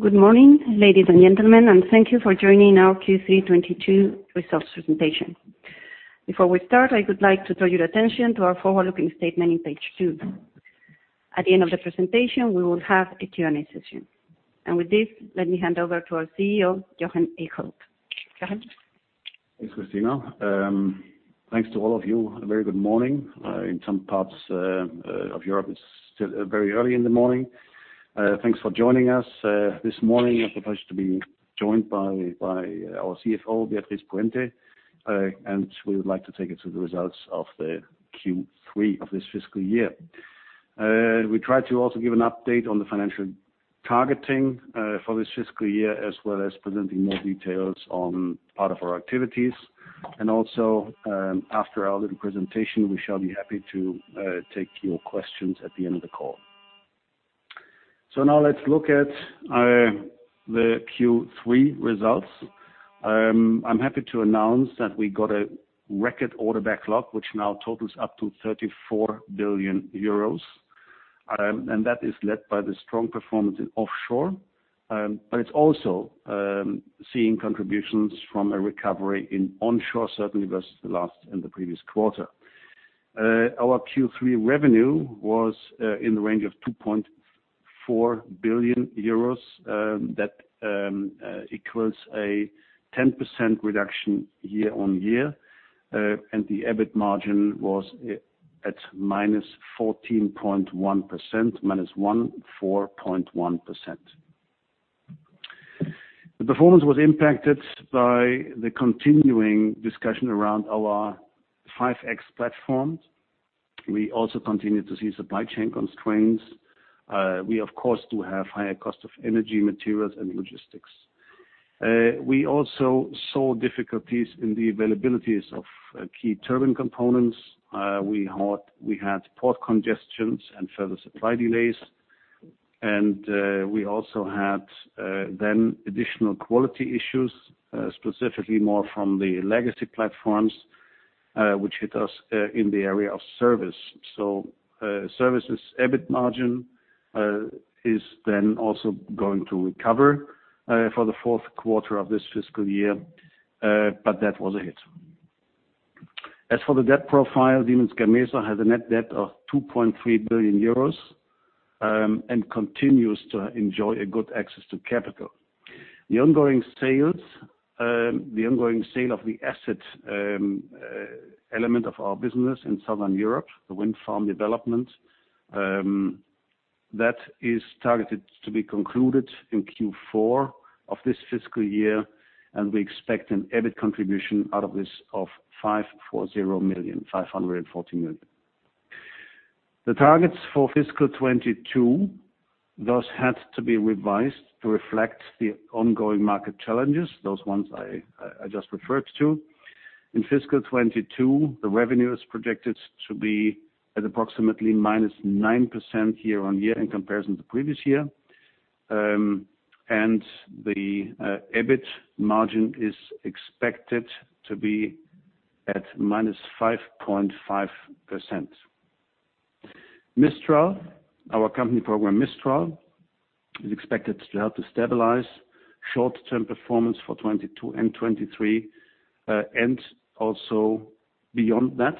Good morning, ladies and gentlemen, and thank you for joining our Q3 2022 results presentation. Before we start, I would like to draw your attention to our forward-looking statement in page two. At the end of the presentation, we will have a Q&A session. With this, let me hand over to our CEO, Jochen Eickholt. Jochen? Thanks, Cristina. Thanks to all of you. A very good morning. In some parts of Europe, it's still very early in the morning. Thanks for joining us this morning. I'm privileged to be joined by our CFO, Beatriz Puente. We would like to take you through the results of the Q3 of this fiscal year. We try to also give an update on the financial targeting for this fiscal year, as well as presenting more details on part of our activities. After our little presentation, we shall be happy to take your questions at the end of the call. Now let's look at the Q3 results. I'm happy to announce that we got a record order backlog, which now totals up to 34 billion euros. That is led by the strong performance in offshore. It's also seeing contributions from a recovery in onshore, certainly versus the last and the previous quarter. Our Q3 revenue was in the range of 2.4 billion euros. That equals a 10% reduction year-on-year. The EBIT margin was at -14.1%. The performance was impacted by the continuing discussion around our 5.X platform. We also continue to see supply chain constraints. We, of course, do have higher costs of energy, materials and logistics. We also saw difficulties in the availability of key turbine components. We had port congestion and further supply delays. We also had then additional quality issues, specifically more from the legacy platforms, which hit us in the area of service. Services EBIT margin is then also going to recover for the fourth quarter of this fiscal year, but that was a hit. As for the debt profile, Siemens Gamesa has a net debt of 2.3 billion euros and continues to enjoy a good access to capital. The ongoing sale of the asset element of our business in Southern Europe, the wind farm development, that is targeted to be concluded in Q4 of this fiscal year, and we expect an EBIT contribution out of this of 540 million. The targets for fiscal 2022, those had to be revised to reflect the ongoing market challenges, those I just referred to. In fiscal 2022, the revenue is projected to be at approximately -9% year-over-year in comparison to previous year. The EBIT margin is expected to be at -5.5%. Mistral, our company program, Mistral, is expected to help to stabilize short-term performance for 2022 and 2023, and also beyond that.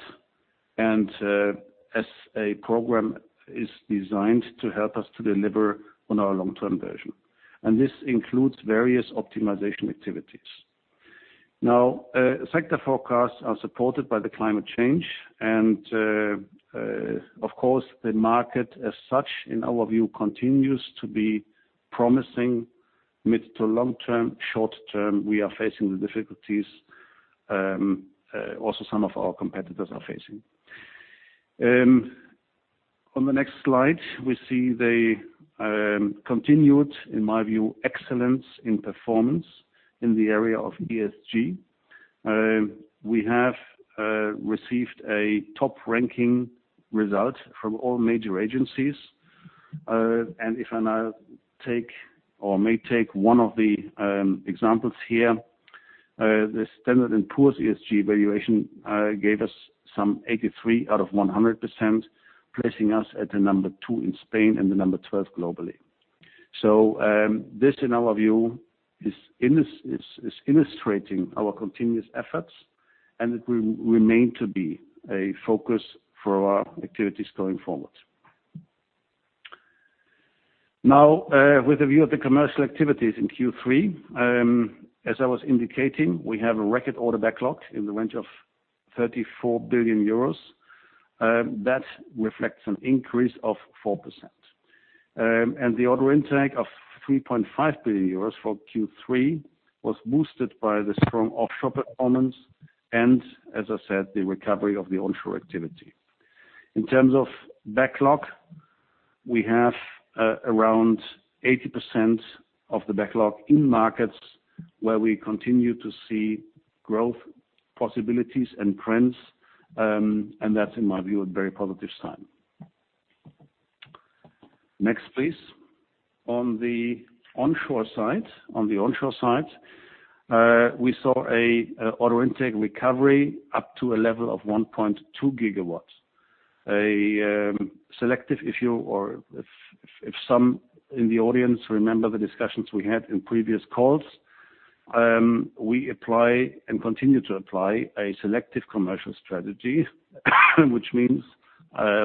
As a program is designed to help us to deliver on our long-term vision. This includes various optimization activities. Now, sector forecasts are supported by the climate change. Of course, the market as such, in our view, continues to be promising mid- to long-term. Short-term, we are facing the difficulties, also some of our competitors are facing. On the next slide, we see the continued, in my view, excellence in performance in the area of ESG. We have received a top-ranking result from all major agencies. If I now take or may take one of the examples here, the Standard & Poor's ESG valuation gave us some 83 out of 100%, placing us at the number two in Spain and the number 12 globally. This, in our view, is illustrating our continuous efforts, and it will remain to be a focus for our activities going forward. Now, with a view of the commercial activities in Q3, as I was indicating, we have a record order backlog in the range of 34 billion euros. That reflects an increase of 4%. The order intake of 3.5 billion euros for Q3 was boosted by the strong offshore performance and, as I said, the recovery of the onshore activity. In terms of backlog, we have around 80% of the backlog in markets where we continue to see growth possibilities and trends. That's, in my view, a very positive sign. Next, please. On the onshore side, we saw a order intake recovery up to a level of 1.2 GW. Selective. If some in the audience remember the discussions we had in previous calls, we apply and continue to apply a selective commercial strategy which means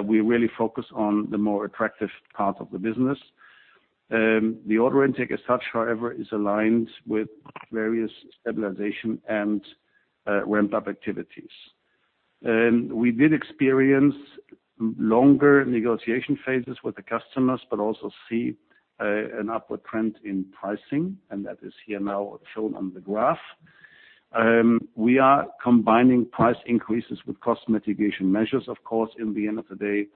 we really focus on the more attractive part of the business. The order intake as such, however, is aligned with various stabilization and ramp-up activities. We did experience longer negotiation phases with the customers, but also see an upward trend in pricing, and that is here now shown on the graph. We are combining price increases with cost mitigation measures of course in the end of the day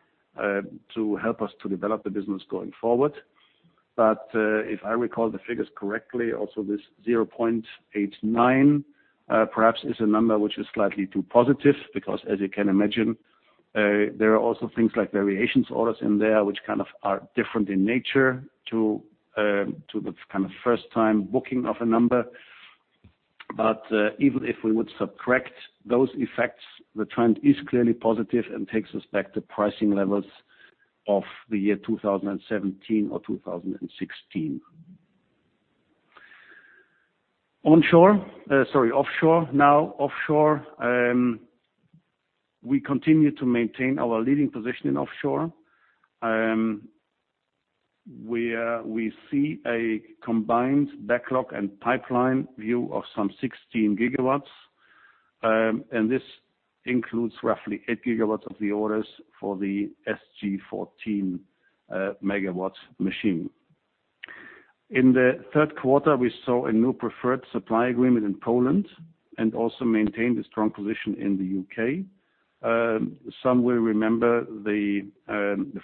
to help us to develop the business going forward. If I recall the figures correctly, also this 0.89 perhaps is a number which is slightly too positive because as you can imagine, there are also things like variation orders in there which kind of are different in nature to the kind of first time booking of a number. Even if we would subtract those effects, the trend is clearly positive and takes us back to pricing levels of the year 2017 or 2016. Offshore. Now offshore, we continue to maintain our leading position in offshore. We see a combined backlog and pipeline view of some 16 GW. And this includes roughly 8 GW of the orders for the SG fourteen megawatts machine. In the third quarter, we saw a new preferred supply agreement in Poland, and also maintained a strong position in the U.K.. Some will remember the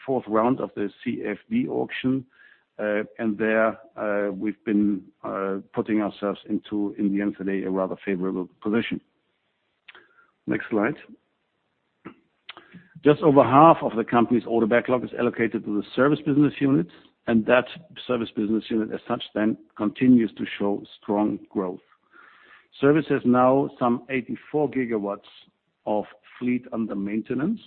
fourth round of the CFD auction, and there, we've been putting ourselves into in the end today a rather favorable position. Next slide. Just over half of the company's order backlog is allocated to the service business units, and that service business unit as such then continues to show strong growth. Service has now some 84 GW of fleet under maintenance,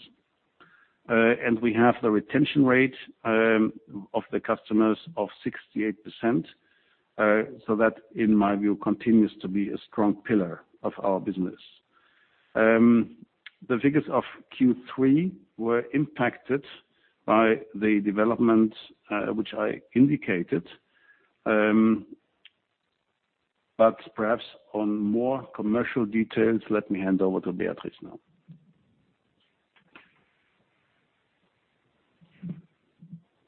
and we have the retention rate of the customers of 68%. That in my view continues to be a strong pillar of our business. The figures of Q3 were impacted by the development which I indicated. Perhaps on more commercial details, let me hand over to Beatriz now.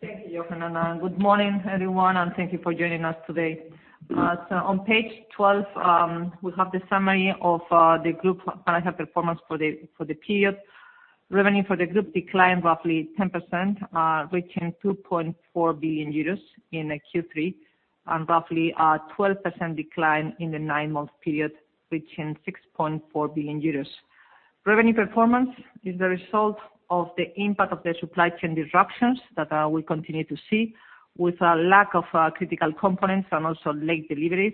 Thank you, Jochen, and good morning, everyone, and thank you for joining us today. On page twelve, we have the summary of the group financial performance for the period. Revenue for the group declined roughly 10%, reaching 2.4 billion euros in Q3, and roughly a 12% decline in the nine-month period, reaching 6.4 billion euros. Revenue performance is the result of the impact of the supply chain disruptions that we continue to see with a lack of critical components and also late deliveries.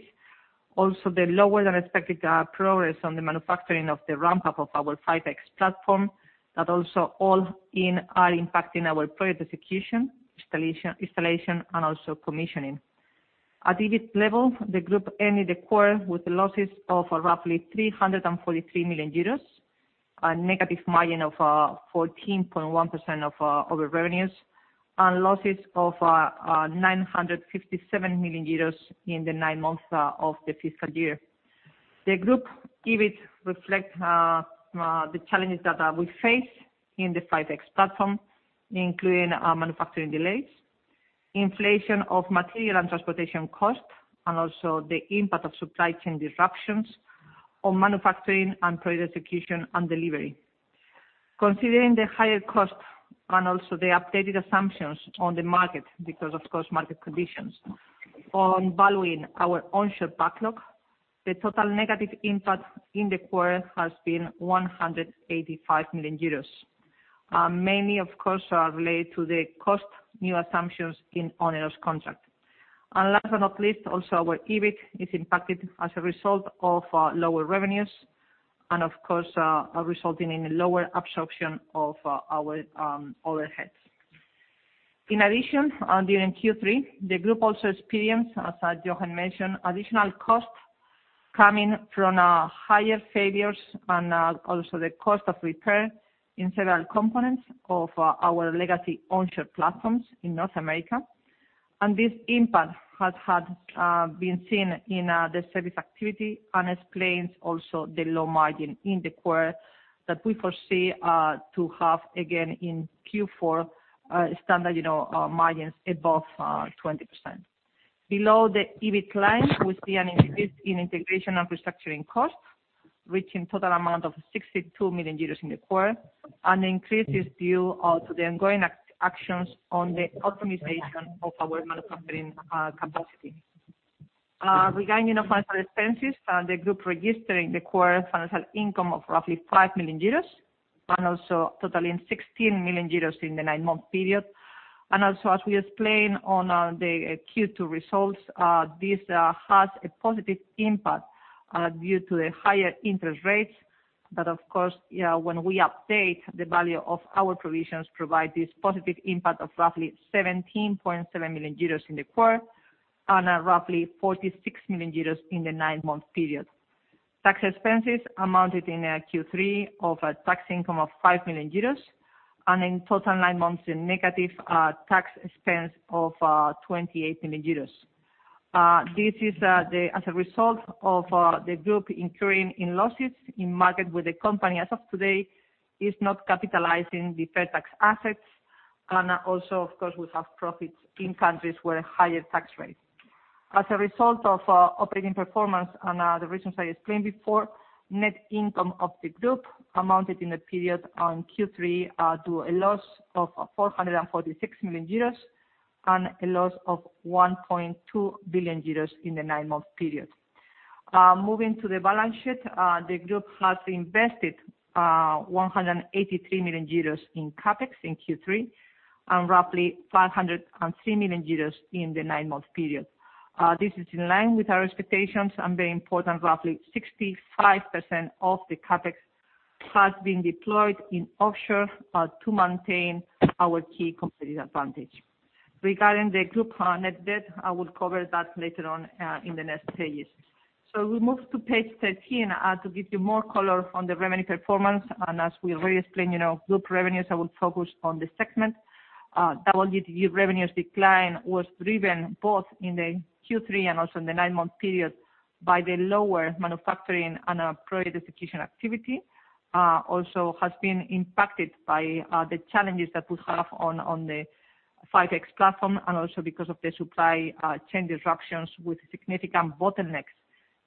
Also the lower than expected progress on the manufacturing of the ramp-up of our 5X platform that also all in are impacting our project execution, installation and also commissioning. At EBIT level, the group ended the quarter with the losses of roughly 343 million euros, a negative margin of 14.1% of our revenues, and losses of 957 million euros in the nine months of the fiscal year. The group EBIT reflect the challenges that we face in the 5X platform, including manufacturing delays, inflation of material and transportation costs, and also the impact of supply chain disruptions on manufacturing and product execution and delivery. Considering the higher costs and also the updated assumptions on the market because of course market conditions on valuing our onshore backlog, the total negative impact in the quarter has been 185 million euros. Many of course are related to the cost new assumptions in onerous contract. Last but not least, also our EBIT is impacted as a result of lower revenues and of course resulting in a lower absorption of our overheads. In addition, during Q3, the group also experienced, as Jochen mentioned, additional costs coming from higher failures and also the cost of repair in several components of our legacy onshore platforms in North America. This impact has been seen in the service activity and explains also the low margin in the quarter that we foresee to have again in Q4, standard, you know, margins above 20%. Below the EBIT line, we see an increase in integration and restructuring costs, reaching total amount of 62 million euros in the quarter, and the increase is due to the ongoing actions on the optimization of our manufacturing capacity. Regarding our financial expenses, the group registered in the quarter financial income of roughly 5 million euros, and also totaling 16 million euros in the nine-month period. As we explained on the Q2 results, this has a positive impact due to the higher interest rates. Of course, you know, when we update the value of our provisions, providing this positive impact of roughly 17.7 million euros in the quarter, and roughly 46 million euros in the nine-month period. Tax expenses amounted in Q3 to a tax income of 5 million euros, and in total nine months to a negative tax expense of 28 million euros. This is as a result of the group incurring losses in markets where the company as of today is not capitalizing the deferred tax assets. Also of course, we have profits in countries with higher tax rates. As a result of operating performance and the reasons I explained before, net income of the group amounted in the period in Q3 to a loss of 446 million euros, and a loss of 1.2 billion euros in the nine-month period. Moving to the balance sheet, the group has invested 183 million euros in CapEx in Q3, and roughly 503 million euros in the nine-month period. This is in line with our expectations, and very important, roughly 65% of the CapEx has been deployed in offshore to maintain our key competitive advantage. Regarding the group net debt, I will cover that later on in the next pages. We move to page 13 to give you more color on the revenue performance. As we already explained, you know, group revenues, I will focus on the segment. WTG revenues decline was driven both in the Q3 and also in the nine-month period by the lower manufacturing and project execution activity. Also has been impacted by the challenges that we have on the 5.X platform, and also because of the supply chain disruptions with significant bottlenecks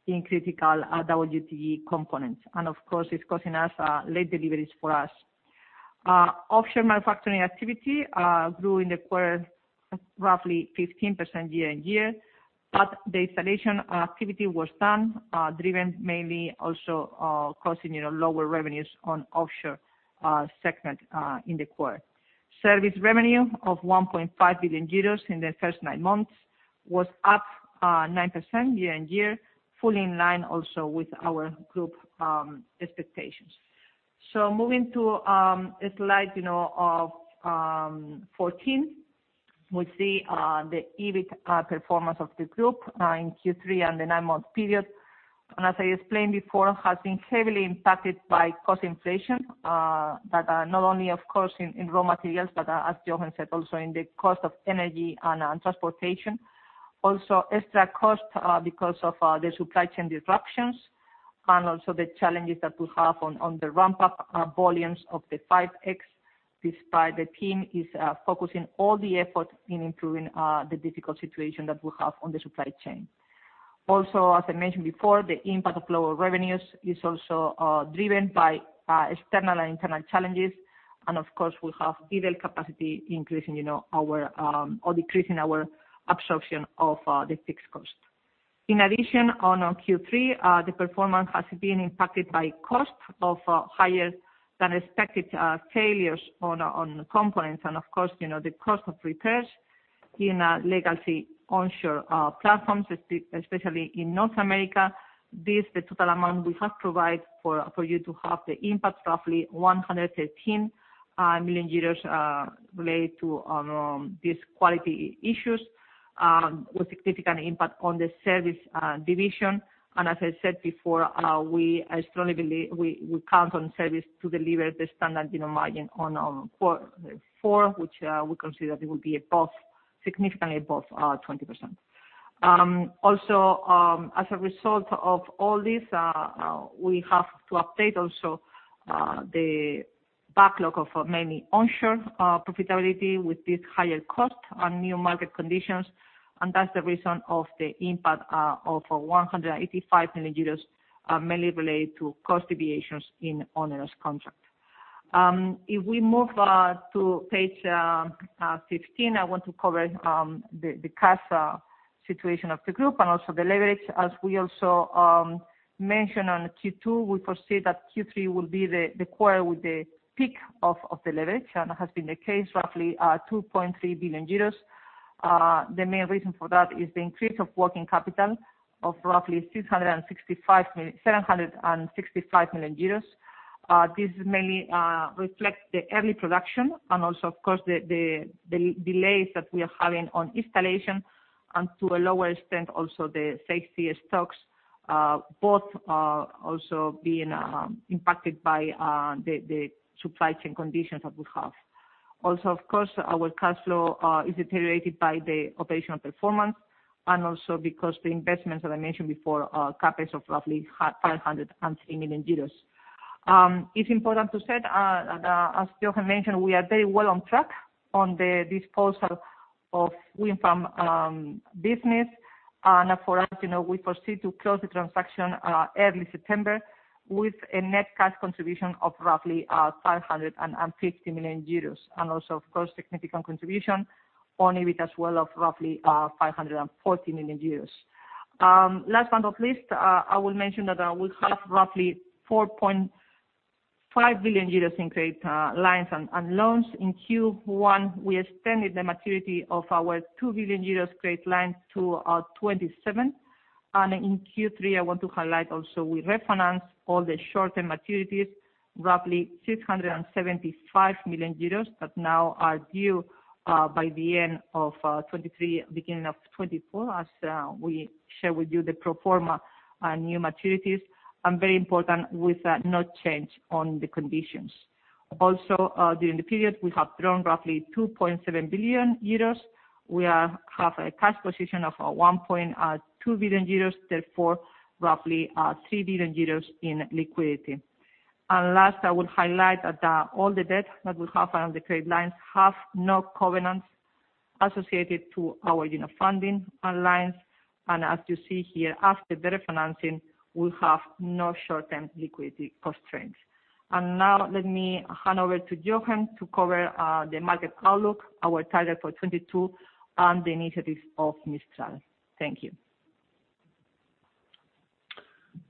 in critical WTG components. Of course, it's causing us late deliveries for us. Offshore manufacturing activity grew in the quarter roughly 15% year-over-year, but the installation activity was down, driven mainly also causing you know lower revenues on offshore segment in the quarter. Service revenue of 1.5 billion euros in the first nine months was up 9% year-over-year, fully in line also with our group expectations. Moving to slide 14, we see the EBIT performance of the group in Q3 and the nine-month period. As I explained before, has been heavily impacted by cost inflation that are not only of course in raw materials, but as Jochen said, also in the cost of energy and transportation. Also, extra cost because of the supply chain disruptions and also the challenges that we have on the ramp-up volumes of the 5X, despite the team is focusing all the effort in improving the difficult situation that we have on the supply chain. Also, as I mentioned before, the impact of lower revenues is also driven by external and internal challenges. Of course, we have idle capacity increasing, you know, our or decreasing our absorption of the fixed cost. In addition, on Q3, the performance has been impacted by costs of higher than expected failures on components and of course, you know, the cost of repairs in legacy onshore platforms, especially in North America. This, the total amount we have provided for you to have the impact, roughly 113 million euros, related to these quality issues, with significant impact on the service division. As I said before, I strongly believe we count on service to deliver the standard, you know, margin on quarter four, which we consider it will be above, significantly above, 20%. Also, as a result of all this, we have to update also the backlog of mainly onshore profitability with this higher cost and new market conditions. That's the reason of the impact of 185 million euros, mainly related to cost deviations in onerous contract. If we move to page 15, I want to cover the cash situation of the group and also the leverage. As we also mentioned on Q2, we foresee that Q3 will be the quarter with the peak of the leverage, and has been the case, roughly, 2.3 billion euros. The main reason for that is the increase of working capital of roughly 765 million euros. This mainly reflects the early production and also of course the delays that we are having on installation and to a lower extent, also the safety stocks, both also being impacted by the supply chain conditions that we have. Also, of course, our cash flow is deteriorated by the operational performance and also because the investments, as I mentioned before, are CapEx of roughly 503 million euros. It's important to say, as Jochen mentioned, we are very well on track on the disposal of wind farm business. For us, you know, we foresee to close the transaction early September with a net cash contribution of roughly 550 million euros. Also, of course, significant contribution on EBIT as well of roughly 540 million euros. Last but not least, I will mention that we have roughly 4.5 billion euros in credit lines and loans. In Q1, we extended the maturity of our 2 billion euros credit line to 2027. In Q3, I want to highlight also we refinanced all the short-term maturities, roughly 675 million euros, that now are due by the end of 2023, beginning of 2024, as we share with you the pro forma new maturities. Very important, with no change on the conditions. Also, during the period, we have drawn roughly 2.7 billion euros. We have a cash position of 1.2 billion euros, therefore, roughly 3 billion euros in liquidity. Last, I will highlight that all the debt that we have on the credit lines have no covenants associated to our unit funding lines. As you see here, after the refinancing, we'll have no short-term liquidity constraints. Now let me hand over to Jochen to cover the market outlook, our target for 2022, and the initiatives of Mistral. Thank you.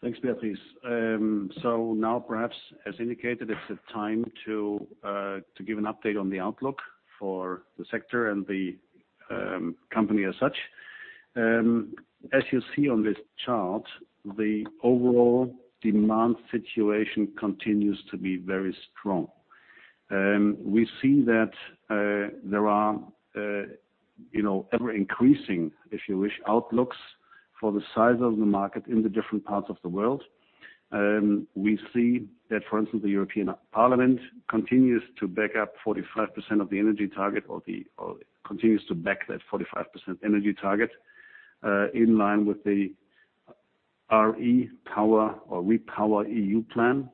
Thanks, Beatriz. Now perhaps, as indicated, it's the time to give an update on the outlook for the sector and the company as such. As you see on this chart, the overall demand situation continues to be very strong. We see that there are you know, ever-increasing, if you wish, outlooks for the size of the market in the different parts of the world. We see that, for instance, the European Parliament continues to back up 45% of the energy target or continues to back that 45% energy target in line with the REPowerEU plan.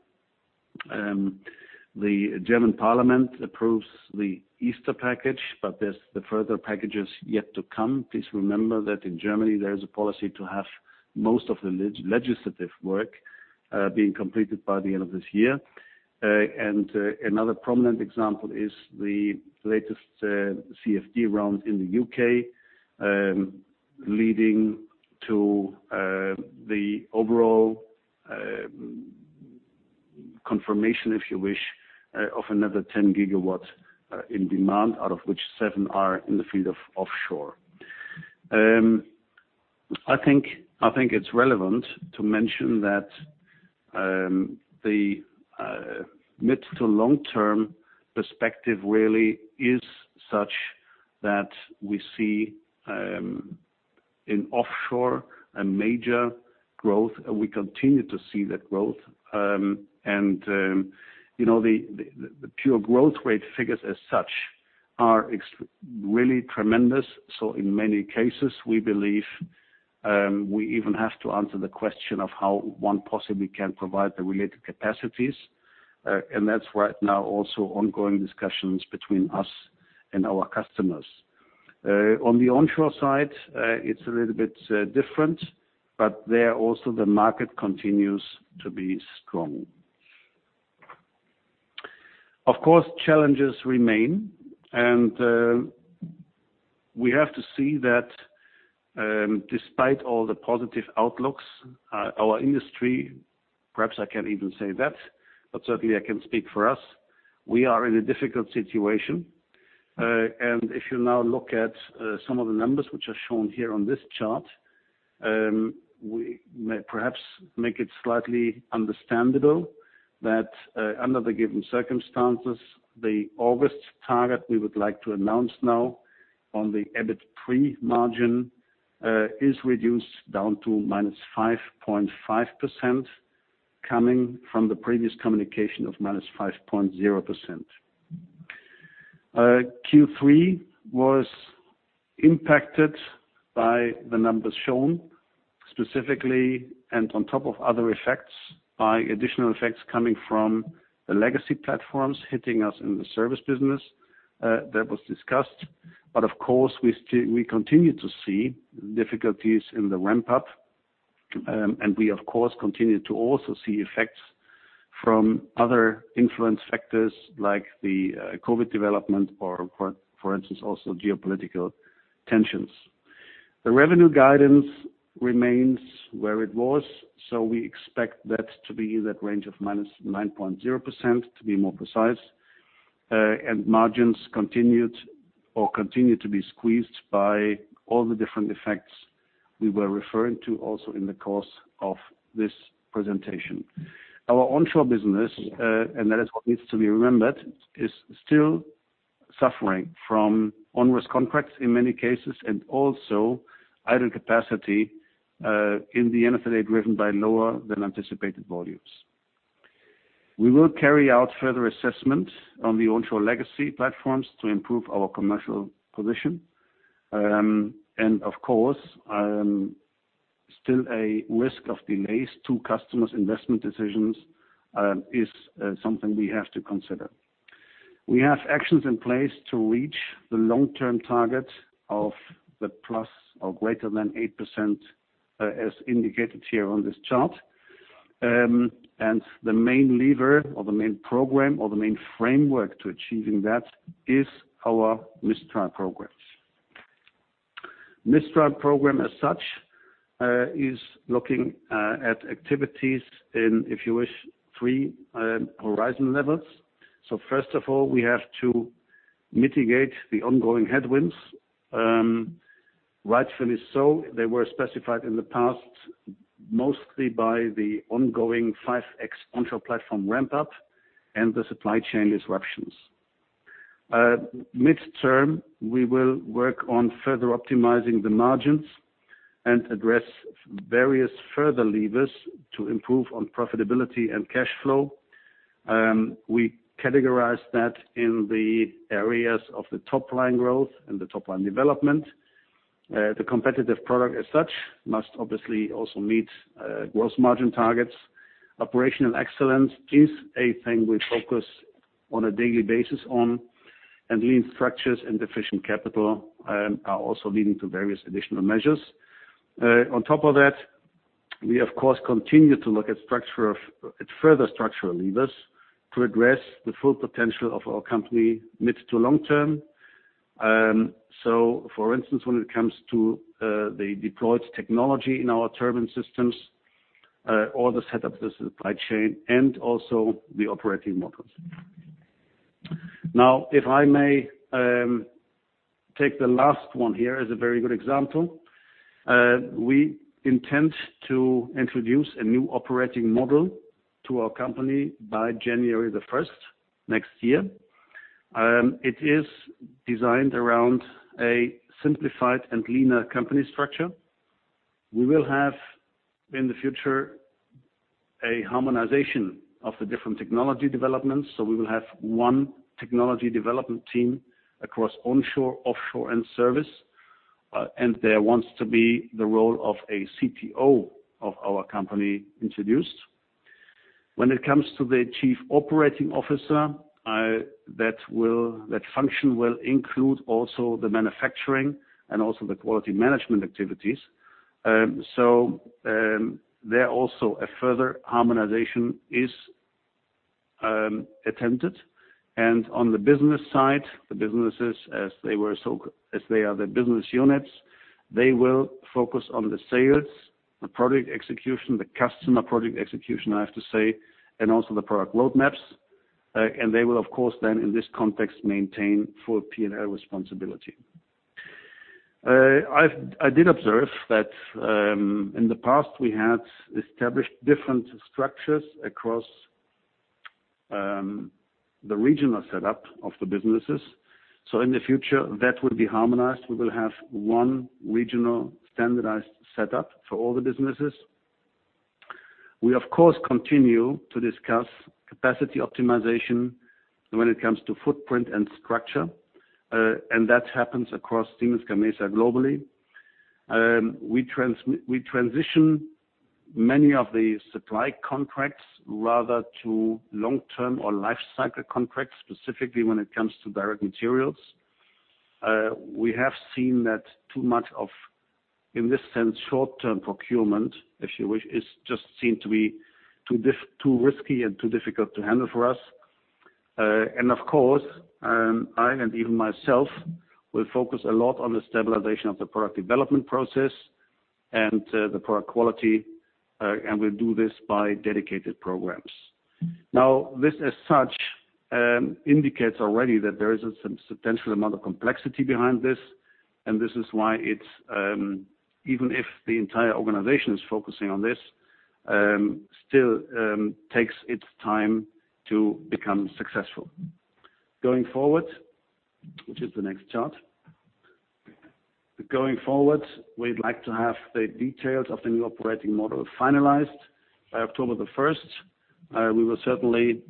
The German parliament approves the Easter Package, but there's the further packages yet to come. Please remember that in Germany, there is a policy to have most of the legislative work being completed by the end of this year. Another prominent example is the latest CFD round in the U.K., leading to the overall confirmation, if you wish, of another 10 GW in demand, out of which seven are in the field of offshore. I think it's relevant to mention that the mid to long-term perspective really is such that we see in offshore a major growth, and we continue to see that growth. You know, the pure growth rate figures as such are really tremendous. In many cases, we believe we even have to answer the question of how one possibly can provide the related capacities. That's right now also ongoing discussions between us and our customers. On the onshore side, it's a little bit different, but there also the market continues to be strong. Of course, challenges remain, and we have to see that, despite all the positive outlooks, our industry, perhaps I can't even say that, but certainly I can speak for us, we are in a difficult situation. If you now look at some of the numbers which are shown here on this chart, we may perhaps make it slightly understandable that, under the given circumstances, the ambitious target we would like to announce now on the EBIT pre-margin is reduced down to -5.5%, coming from the previous communication of -5.0%. Q3 was impacted by the numbers shown specifically and on top of other effects, by additional effects coming from the legacy platforms hitting us in the service business, that was discussed. Of course, we continue to see difficulties in the ramp-up, and we of course continue to also see effects from other influence factors like the COVID development or, for instance, also geopolitical tensions. The revenue guidance remains where it was, so we expect that to be in that range of minus 9.0% to be more precise. Margins continued or continue to be squeezed by all the different effects we were referring to also in the course of this presentation. Our onshore business, and that is what needs to be remembered, is still suffering from onerous contracts in many cases and also idle capacity, in the NFLA driven by lower than anticipated volumes. We will carry out further assessment on the onshore legacy platforms to improve our commercial position. Of course, still a risk of delays to customers' investment decisions, is something we have to consider. We have actions in place to reach the long-term target of 8%+, as indicated here on this chart. The main lever or the main program or the main framework to achieving that is our Mistral program. Mistral program as such, is looking at activities in, if you wish, three horizon levels. First of all, we have to mitigate the ongoing headwinds. Rightfully so, they were specified in the past, mostly by the ongoing 5.X onshore platform ramp up and the supply chain disruptions. Midterm, we will work on further optimizing the margins and address various further levers to improve on profitability and cash flow. We categorize that in the areas of the top line growth and the top line development. The competitive product as such must obviously also meet gross margin targets. Operational excellence is a thing we focus on a daily basis on, and lean structures and efficient capital are also leading to various additional measures. On top of that, we of course continue to look at further structural levers to address the full potential of our company mid to long term. For instance, when it comes to the deployed technology in our turbine systems, or the setup of the supply chain and also the operating models. Now, if I may, take the last one here as a very good example. We intend to introduce a new operating model to our company by January 1 next year. It is designed around a simplified and leaner company structure. We will have, in the future, a harmonization of the different technology developments. We will have one technology development team across onshore, offshore, and service. There wants to be the role of a COO of our company introduced. When it comes to the chief operating officer, that function will include also the manufacturing and also the quality management activities. There also a further harmonization is attempted. On the business side, the business units, they will focus on the sales, the project execution, the customer project execution, I have to say, and also the product roadmaps. They will of course then in this context, maintain full P&L responsibility. I did observe that, in the past we had established different structures across, the regional setup of the businesses. In the future, that will be harmonized. We will have one regional standardized setup for all the businesses. We of course continue to discuss capacity optimization when it comes to footprint and structure, and that happens across Siemens Gamesa globally. We transition many of the supply contracts rather to long-term or life cycle contracts, specifically when it comes to direct materials. We have seen that too much of, in this sense, short-term procurement, if you wish, is just seem to be too risky and too difficult to handle for us. Of course, I and even myself will focus a lot on the stabilization of the product development process and the product quality, and we'll do this by dedicated programs. Now, this as such indicates already that there is some substantial amount of complexity behind this, and this is why it's even if the entire organization is focusing on this, still takes its time to become successful. Going forward, which is the next chart. Going forward, we'd like to have the details of the new operating model finalized by October the first. We will certainly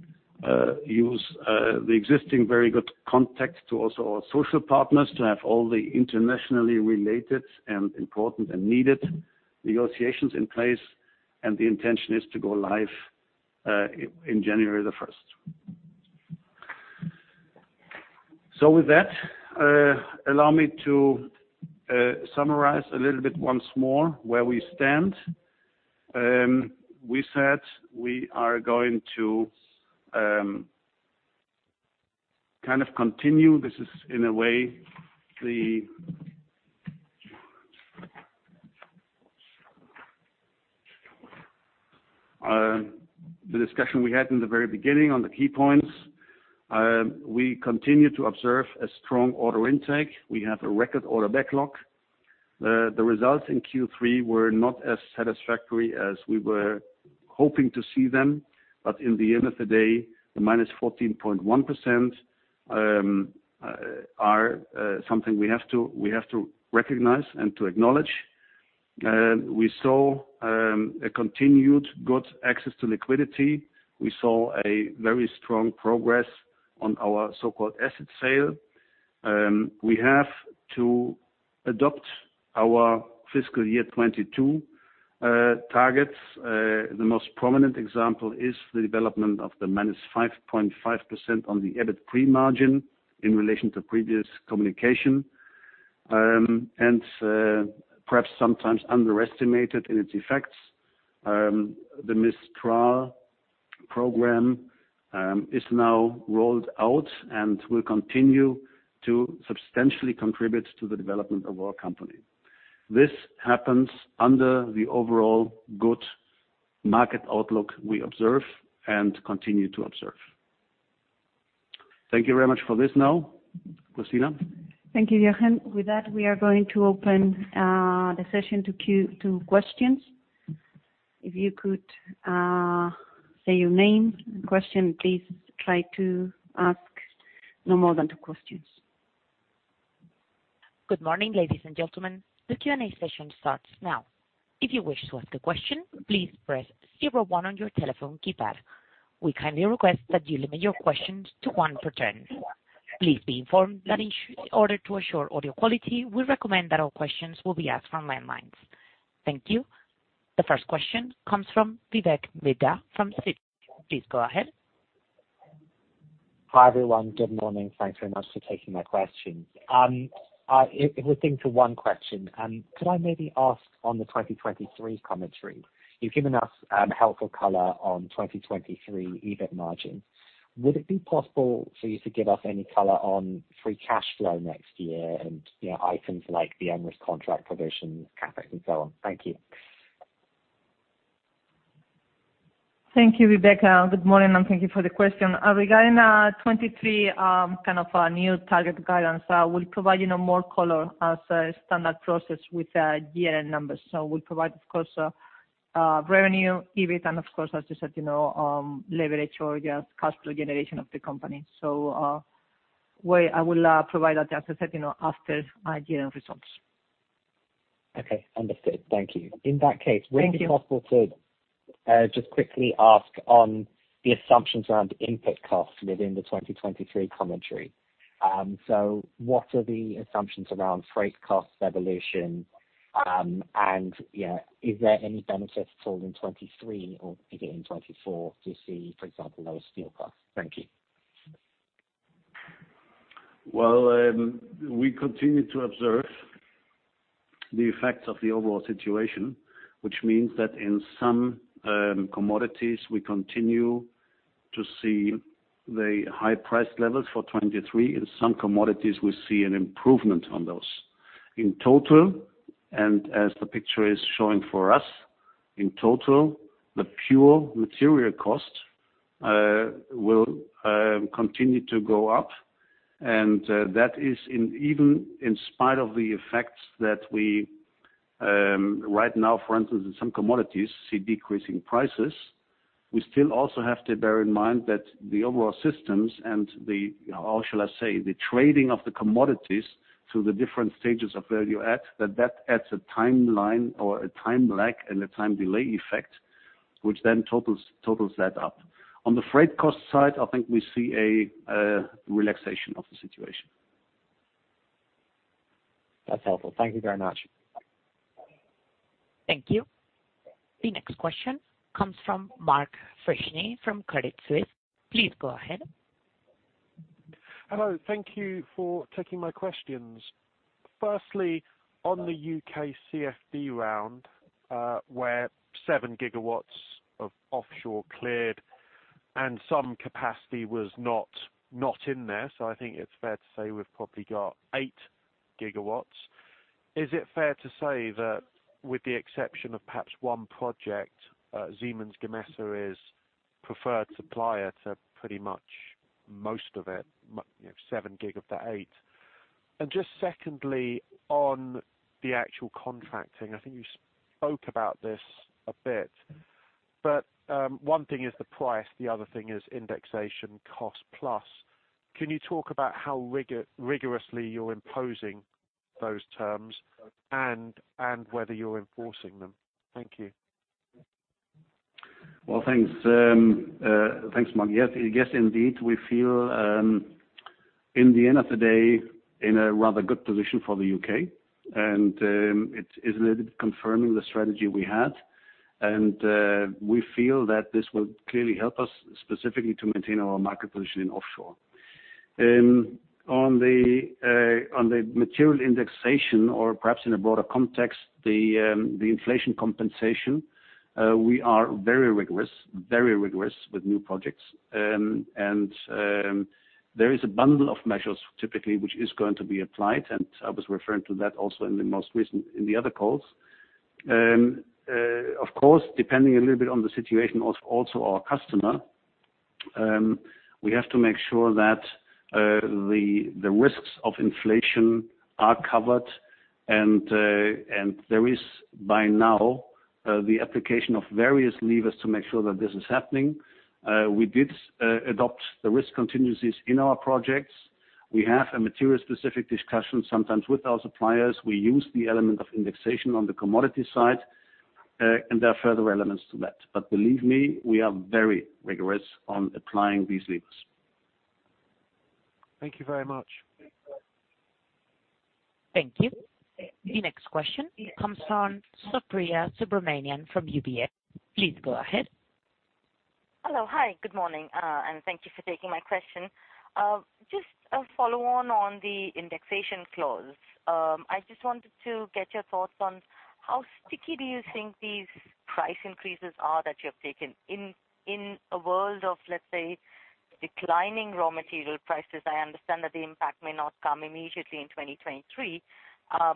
use the existing very good context to also our social partners to have all the internationally related and important and needed negotiations in place, and the intention is to go live in January the first. With that, allow me to summarize a little bit once more where we stand. We said we are going to kind of continue, this is in a way the discussion we had in the very beginning on the key points. We continue to observe a strong order intake. We have a record order backlog. The results in Q3 were not as satisfactory as we were hoping to see them, but in the end of the day, the minus 14.1% are something we have to recognize and to acknowledge. We saw a continued good access to liquidity. We saw a very strong progress on our so-called asset sale. We have to adopt our fiscal year 2022 targets. The most prominent example is the development of the -5.5% on the EBIT pre-margin in relation to previous communication. Perhaps sometimes underestimated in its effects, the Mistral program is now rolled out and will continue to substantially contribute to the development of our company. This happens under the overall good market outlook we observe and continue to observe. Thank you very much for this now. Cristina? Thank you, Jochen. With that, we are going to open the session to questions. If you could say your name and question, please try to ask no more than two questions. Good morning, ladies and gentlemen. The Q&A session starts now. If you wish to ask a question, please press zero one on your telephone keypad. We kindly request that you limit your questions to one per attendee. Please be informed that in order to assure audio quality, we recommend that all questions will be asked from landlines. Thank you. The first question comes from Vivek Midha from Citi. Please go ahead. Hi, everyone. Good morning. Thanks very much for taking my questions. It will seem like one question. Could I maybe ask on the 2023 commentary you've given us, helpful color on 2023 EBIT margin. Would it be possible for you to give us any color on free cash flow next year and, you know, items like the onerous contract provisions, CapEx, and so on? Thank you. Thank you, Vivek. Good morning, and thank you for the question. Regarding 2023 kind of a new target guidance, we'll provide you know more color as a standard process with year-end numbers. We'll provide of course revenue, EBIT, and of course, as you said, you know, net cash generation of the company. I will provide that, as I said, you know, after our year-end results. Okay, understood. Thank you. In that case. Thank you. Would it be possible to just quickly ask on the assumptions around input costs within the 2023 commentary. What are the assumptions around freight costs evolution? Yeah, is there any benefit at all in 2023 or beginning 2024 to see, for example, lower steel costs? Thank you. Well, we continue to observe the effects of the overall situation, which means that in some commodities, we continue to see the high price levels for 2023. In some commodities, we see an improvement on those. In total, and as the picture is showing for us, in total, the pure material cost will continue to go up. That is even in spite of the effects that we right now, for instance, in some commodities see decreasing prices. We still also have to bear in mind that the overall systems and the, how shall I say, the trading of the commodities through the different stages of value add, that adds a timeline or a time lag and a time delay effect, which then totals that up. On the freight cost side, I think we see a relaxation of the situation. That's helpful. Thank you very much. Thank you. The next question comes from Mark Freshney from Credit Suisse. Please go ahead. Hello. Thank you for taking my questions. Firstly, on the U.K. CFD round, where 7 GW of offshore cleared and some capacity was not in there, so I think it's fair to say we've probably got 8 GW. Is it fair to say that with the exception of perhaps one project, Siemens Gamesa is preferred supplier to pretty much most of it, you know, seven gig of the eight? Just secondly, on the actual contracting, I think you spoke about this a bit, but one thing is the price, the other thing is indexation cost plus. Can you talk about how rigorously you're imposing those terms and whether you're enforcing them? Thank you. Well, thanks, Mark. Yes, indeed. We feel, in the end of the day, in a rather good position for the U.K., and it is a little bit confirming the strategy we had. We feel that this will clearly help us specifically to maintain our market position in offshore. On the material indexation or perhaps in a broader context, the inflation compensation, we are very rigorous with new projects. There is a bundle of measures typically which is going to be applied, and I was referring to that also in the most recent, in the other calls. Of course, depending a little bit on the situation of also our customer, we have to make sure that the risks of inflation are covered and there is by now the application of various levers to make sure that this is happening. We did adopt the risk contingencies in our projects. We have a material specific discussion sometimes with our suppliers. We use the element of indexation on the commodity side, and there are further elements to that. Believe me, we are very rigorous on applying these levers. Thank you very much. Thank you. The next question comes from Supriya Subramanian from UBS. Please go ahead. Hello. Hi, good morning, and thank you for taking my question. Just a follow on the indexation clause. I just wanted to get your thoughts on how sticky do you think these price increases are that you have taken in a world of, let's say declining raw material prices. I understand that the impact may not come immediately in 2023.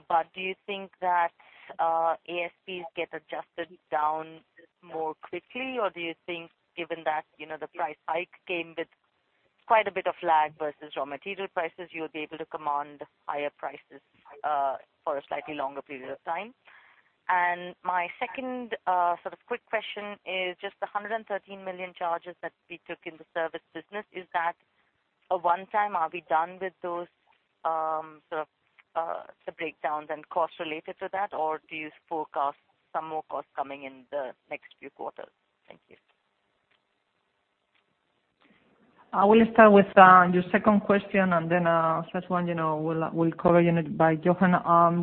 But do you think that ASPs get adjusted down more quickly? Or do you think given that, you know, the price hike came with quite a bit of lag versus raw material prices, you'll be able to command higher prices for a slightly longer period of time? My second sort of quick question is just the 113 million charges that we took in the service business. Is that a one-time? Are we done with those, sort of, the breakdowns and costs related to that? Or do you forecast some more costs coming in the next few quarters? Thank you. I will start with your second question, and then first one, you know, we'll cover, you know, by Jochen.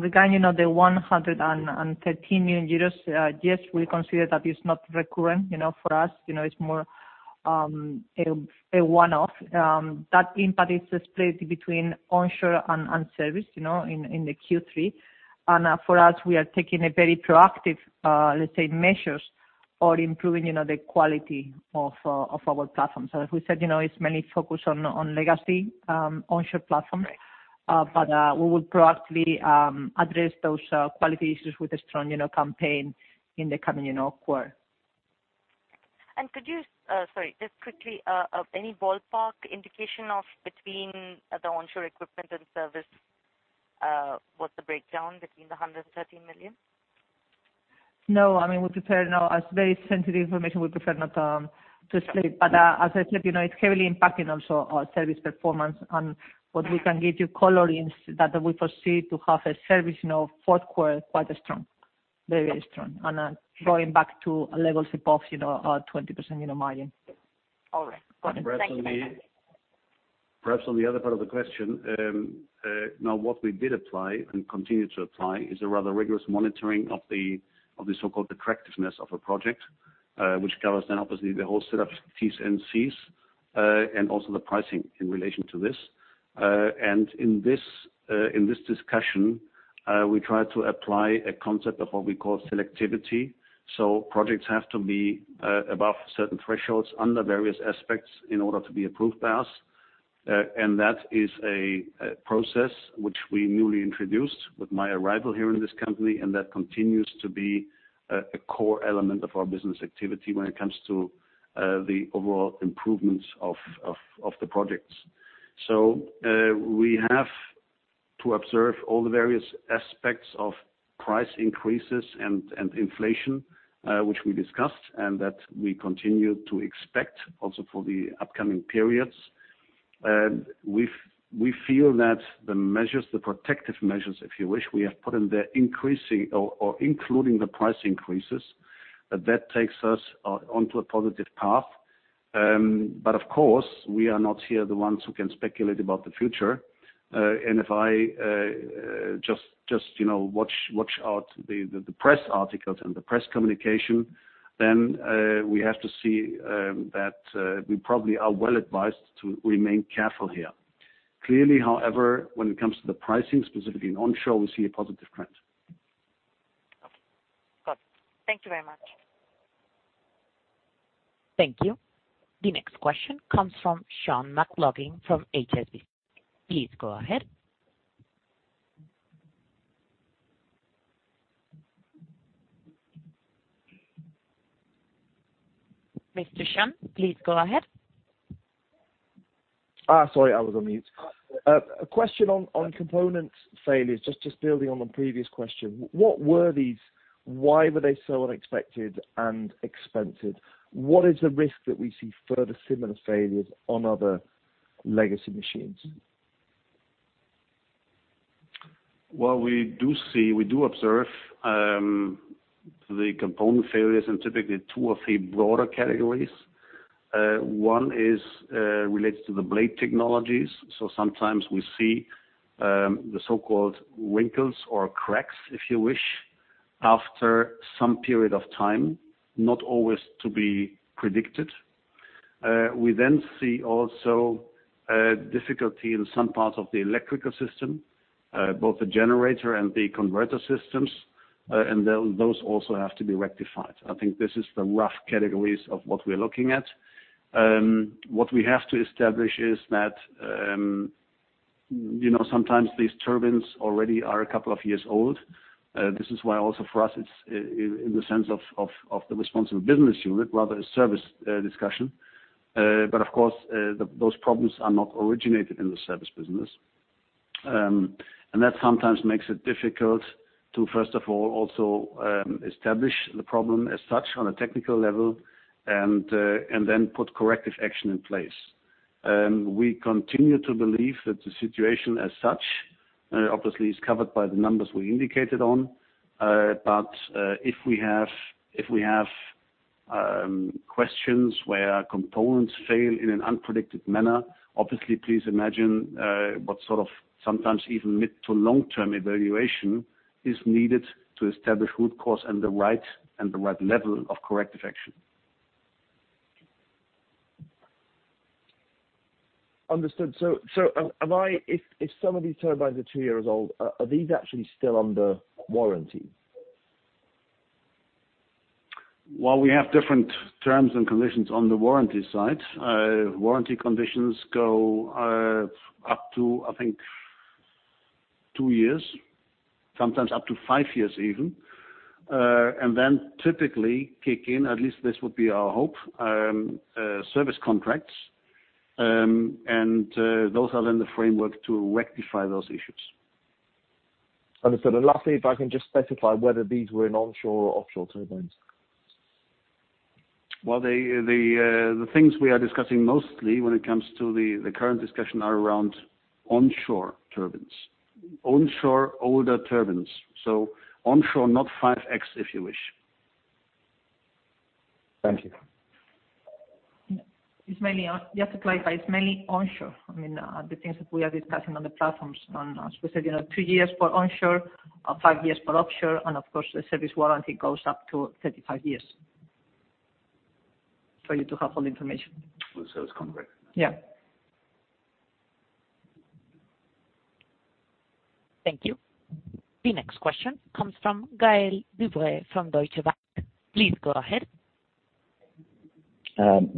Regarding, you know, the 113 million euros, yes, we consider that is not recurrent, you know, for us. You know, it's more a one-off. That impact is spread between onshore and service, you know, in the Q3. For us, we are taking a very proactive, let's say, measures or improving, you know, the quality of our platform. As we said, you know, it's mainly focused on legacy onshore platforms. Right. We will proactively address those quality issues with a strong, you know, campaign in the coming, you know, quarter. Could you, sorry, just quickly, any ballpark indication of between the onshore equipment and service, what's the breakdown between 113 million? No. I mean, we prefer no. As very sensitive information, we prefer not to split. As I said, you know, it's heavily impacting also our service performance. What we can give you color in that we foresee to have a service, you know, fourth quarter quite strong, very, very strong. Going back to a level of, you know, 20% margin. All right. Got it. Thank you. Perhaps on the other part of the question, now what we did apply and continue to apply is a rather rigorous monitoring of the so-called attractiveness of a project, which covers then obviously the whole set of T's and C's, and also the pricing in relation to this. In this discussion, we try to apply a concept of what we call selectivity. Projects have to be above certain thresholds under various aspects in order to be approved by us. That is a process which we newly introduced with my arrival here in this company, and that continues to be a core element of our business activity when it comes to the overall improvements of the projects. We have to observe all the various aspects of price increases and inflation, which we discussed and that we continue to expect also for the upcoming periods. We feel that the measures, the protective measures, if you wish, we have put in there increasing or including the price increases, that takes us onto a positive path. But of course, we are not here the ones who can speculate about the future. If I just, you know, watch out the press articles and the press communication, then we have to see that we probably are well advised to remain careful here. Clearly, however, when it comes to the pricing, specifically in onshore, we see a positive trend. Okay. Got it. Thank you very much. Thank you. The next question comes from Sean McLoughlin from HSBC. Please go ahead. Mr. Sean, please go ahead. Sorry, I was on mute. A question on component failures, just building on the previous question. What were these? Why were they so unexpected and expensive? What is the risk that we see further similar failures on other legacy machines? Well, we do see, we do observe, the component failures in typically two or three broader categories. One is related to the blade technologies. So sometimes we see the so-called wrinkles or cracks, if you wish, after some period of time, not always to be predicted. We then see also difficulty in some parts of the electrical system, both the generator and the converter systems. Those also have to be rectified. I think this is the rough categories of what we're looking at. What we have to establish is that, you know, sometimes these turbines already are a couple of years old. This is why also for us, it's in the sense of the responsible business unit, rather a service discussion. Of course, those problems are not originated in the service business. That sometimes makes it difficult to establish the problem as such on a technical level and then put corrective action in place. We continue to believe that the situation as such obviously is covered by the numbers we indicated on. If we have questions where components fail in an unpredicted manner, obviously please imagine what sort of sometimes even mid to long-term evaluation is needed to establish root cause and the right level of corrective action. Understood. Am I if some of these turbines are two years old, are these actually still under warranty? Well, we have different terms and conditions on the warranty side. Warranty conditions go up to, I think, two years, sometimes up to five years even. Typically kick in, at least this would be our hope, service contracts, and those are then the framework to rectify those issues. Understood. Lastly, if I can just specify whether these were in onshore or offshore turbines. Well, the things we are discussing mostly when it comes to the current discussion are around onshore turbines. Onshore, older turbines. Onshore, not 5.X if you wish. Thank you. Just to clarify, it's mainly onshore. I mean, the things that we are discussing on the platforms, as we said, you know, two years for onshore, or five years for offshore, and of course, the service warranty goes up to 35 years for you to have all the information. The service contract. Yeah. Thank you. The next question comes from Gael de-Bray from Deutsche Bank. Please go ahead.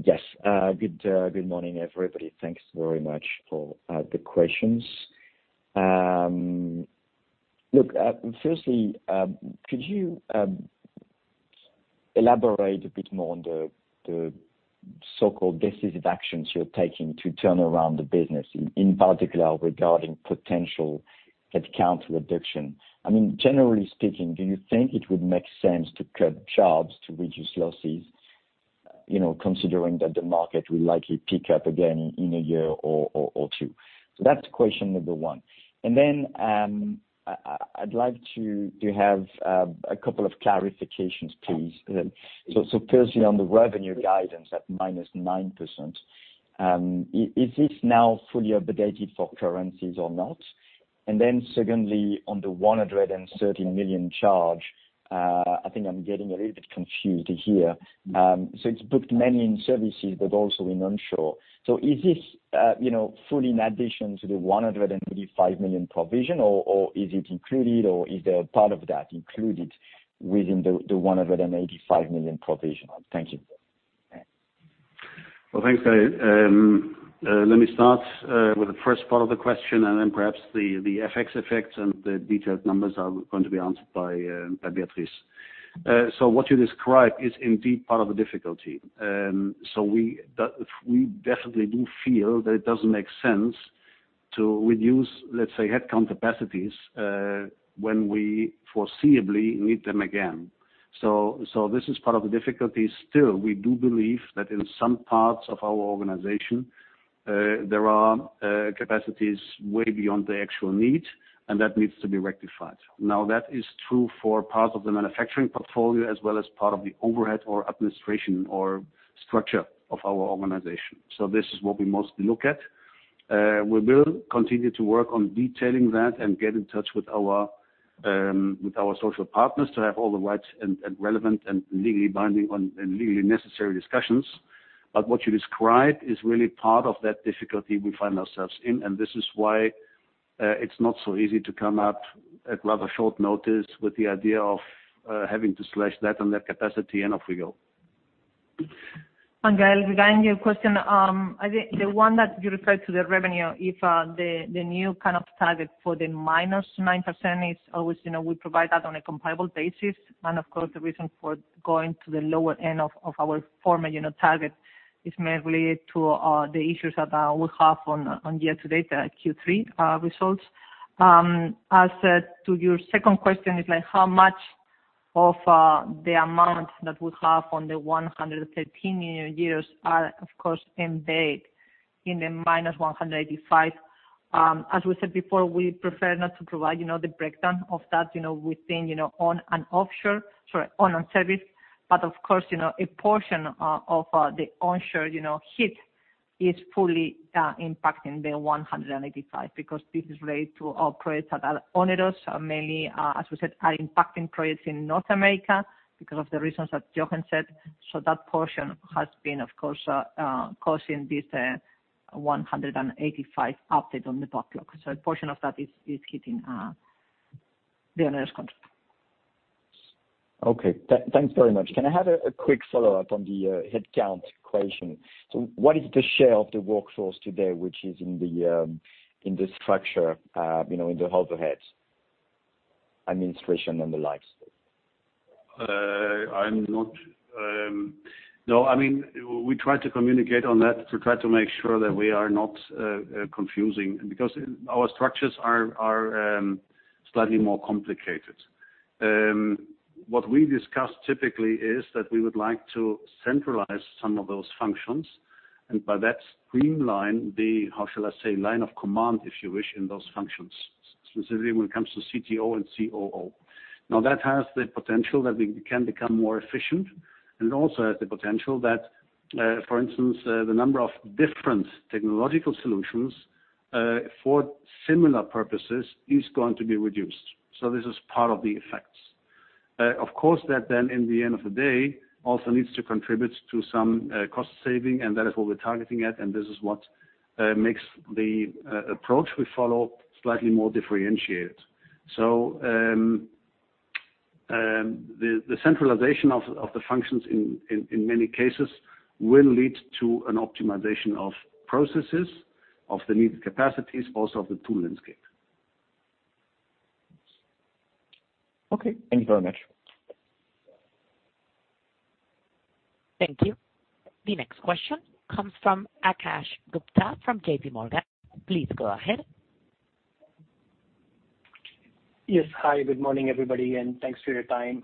Yes. Good morning, everybody. Thanks very much for the questions. Look, firstly, could you elaborate a bit more on the so-called decisive actions you're taking to turn around the business, in particular regarding potential headcount reduction? I mean, generally speaking, do you think it would make sense to cut jobs to reduce losses, you know, considering that the market will likely pick up again in a year or two? That's question number one. I'd like to have a couple of clarifications, please. Firstly on the revenue guidance at minus 9%, is this now fully updated for currencies or not? Secondly, on the 130 million charge, I think I'm getting a little bit confused here. It's booked mainly in services, but also in onshore. Is this, you know, fully in addition to the 185 million provision, or is it included, or is a part of that included within the 185 million provision? Thank you. Well, thanks, Gael. Let me start with the first part of the question, and then perhaps the FX effects and the detailed numbers are going to be answered by Beatriz. What you describe is indeed part of the difficulty. We definitely do feel that it doesn't make sense to reduce, let's say, headcount capacities when we foreseeably need them again. This is part of the difficulty. Still, we do believe that in some parts of our organization, there are capacities way beyond the actual need, and that needs to be rectified. Now, that is true for part of the manufacturing portfolio, as well as part of the overhead or administration or structure of our organization. This is what we mostly look at. We will continue to work on detailing that and get in touch with our with our social partners to have all the right and relevant and legally binding and legally necessary discussions. What you described is really part of that difficulty we find ourselves in, and this is why it's not so easy to come out at rather short notice with the idea of having to slash that and that capacity, and off we go. Gael, regarding your question, I think the one that you referred to the revenue, the new kind of target for the -9% is always, you know, we provide that on a comparable basis. Of course, the reason for going to the lower end of our former unit target is mainly the issues that we have on year to date, the Q3 results. To your second question is like how much of the amount that we have on the 113 million euros are of course embedded in the -185 million. As we said before, we prefer not to provide, you know, the breakdown of that, you know, within, you know, onshore and offshore, sorry, onshore and service. Of course, you know, a portion of the onshore hit is fully impacting the 185 because this is related to our projects that are onerous, mainly, as we said, are impacting projects in North America because of the reasons that Jochen said. That portion has been, of course, causing this 185 update on the backlog. A portion of that is hitting the onerous contract. Okay. Thanks very much. Can I have a quick follow-up on the headcount question? What is the share of the workforce today, which is in the structure, you know, in the overhead administration and the likes? I mean, we try to communicate on that to try to make sure that we are not confusing because our structures are slightly more complicated. What we discussed typically is that we would like to centralize some of those functions, and by that streamline the, how shall I say, line of command, if you wish, in those functions, specifically when it comes to CTO and COO. Now, that has the potential that we can become more efficient and also has the potential that, for instance, the number of different technological solutions for similar purposes is going to be reduced. This is part of the effects. Of course, that then in the end of the day also needs to contribute to some cost saving, and that is what we're targeting at, and this is what makes the approach we follow slightly more differentiated. The centralization of the functions in many cases will lead to an optimization of processes, of the needed capacities, also of the tool landscape. Okay, thank you very much. Thank you. The next question comes from Akash Gupta from JPMorgan. Please go ahead. Yes. Hi, good morning, everybody, and thanks for your time.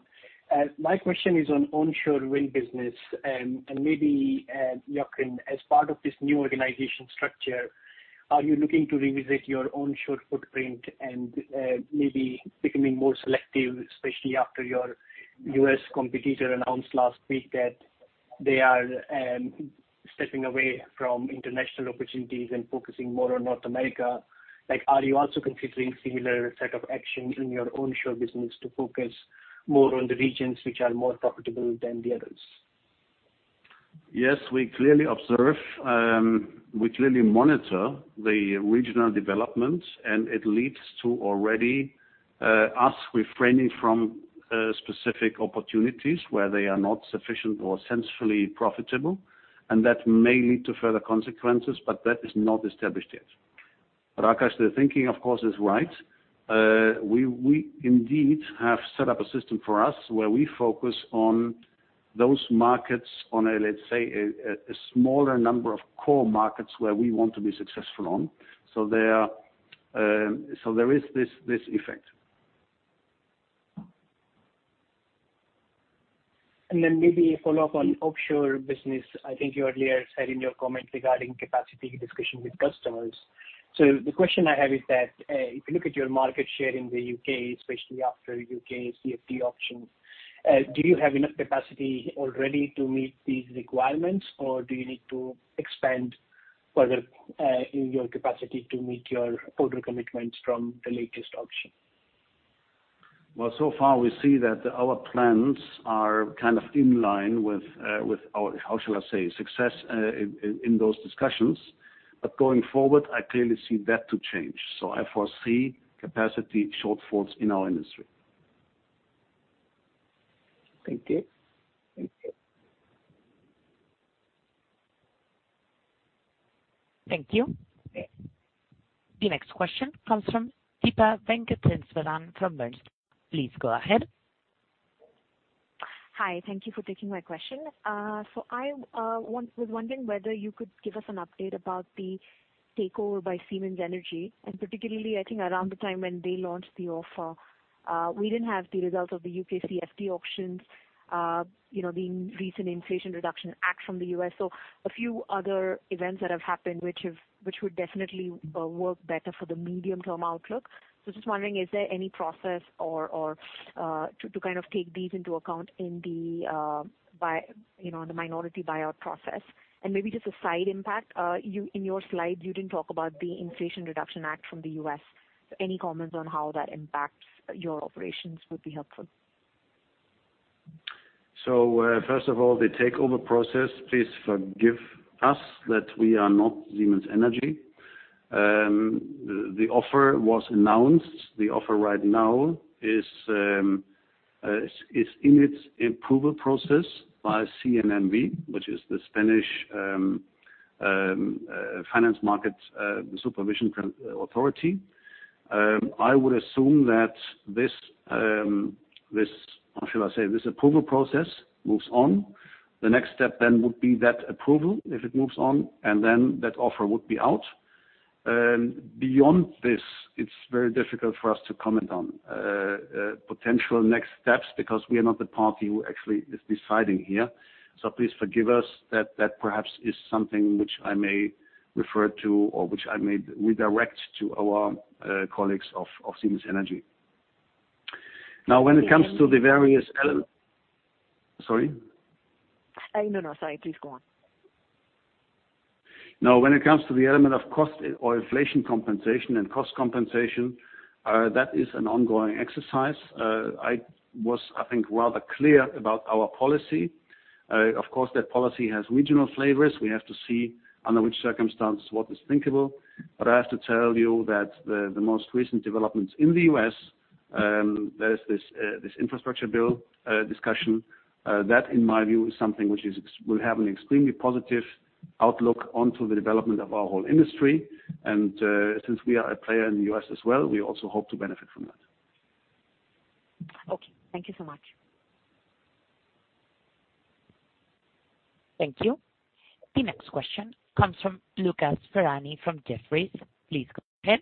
My question is on onshore wind business. Maybe, Jochen, as part of this new organization structure, are you looking to revisit your onshore footprint and maybe becoming more selective, especially after your U.S. competitor announced last week that they are stepping away from international opportunities and focusing more on North America? Like, are you also considering similar set of action in your onshore business to focus more on the regions which are more profitable than the others? Yes, we clearly monitor the regional developments, and it leads to already us refraining from specific opportunities where they are not sufficient or sensibly profitable. That may lead to further consequences, but that is not established yet. Akash, the thinking, of course, is right. We indeed have set up a system for us where we focus on those markets on a, let's say, a smaller number of core markets where we want to be successful on. There is this effect. Maybe a follow-up on offshore business. I think you earlier said in your comment regarding capacity discussion with customers. The question I have is that, if you look at your market share in the U.K., especially after U.K. CFD auction, do you have enough capacity already to meet these requirements, or do you need to expand further, in your capacity to meet your order commitments from the latest auction? Well, so far, we see that our plans are kind of in line with with our, how shall I say, success, in those discussions. Going forward, I clearly see that to change. I foresee capacity shortfalls in our industry. Thank you. Thank you. Thank you. The next question comes from Deepa Venkateswaran from Bernstein. Please go ahead. Hi. Thank you for taking my question. I was wondering whether you could give us an update about the takeover by Siemens Energy, and particularly I think around the time when they launched the offer. We didn't have the results of the U.K. CFD auctions, you know, the recent Inflation Reduction Act from the U.S. A few other events that have happened which would definitely work better for the medium-term outlook. Just wondering, is there any process or to kind of take these into account in the buy, you know, the minority buyout process? And maybe just a side impact. In your slides, you didn't talk about the Inflation Reduction Act from the U.S. Any comments on how that impacts your operations would be helpful. First of all, the takeover process, please forgive us that we are not Siemens Energy. The offer was announced. The offer right now is in its approval process by CNMV, which is the Spanish financial markets supervision authority. I would assume that this, how should I say, this approval process moves on. The next step then would be that approval, if it moves on, and then that offer would be out. Beyond this, it's very difficult for us to comment on potential next steps because we are not the party who actually is deciding here. Please forgive us that that perhaps is something which I may refer to or which I may redirect to our colleagues of Siemens Energy. Now, when it comes to the various ele- Okay. Sorry? No, no. Sorry. Please go on. Now, when it comes to the element of cost or inflation compensation and cost compensation, that is an ongoing exercise. I was, I think, rather clear about our policy. Of course, that policy has regional flavors. We have to see under which circumstances what is thinkable. I have to tell you that the most recent developments in the U.S., there is this infrastructure bill discussion that in my view is something which will have an extremely positive outlook onto the development of our whole industry. Since we are a player in the U.S. as well, we also hope to benefit from that. Okay. Thank you so much. Thank you. The next question comes from Lucas Ferhani from Jefferies. Please go ahead.